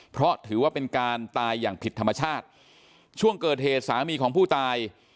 เพราะถือว่าเป็นการตายอย่างผิดธรรมชาติช่วงเกิดเหตุสามีของผู้ตาย